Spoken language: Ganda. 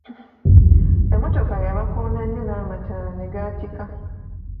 Emmotoka yabakoona nnyo n'amataala ne gaatikka.